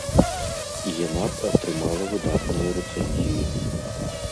І яна б атрымала выдатныя рэцэнзіі.